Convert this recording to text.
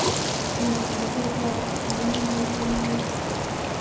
으응, 이것 봐, 아무 말이 없네.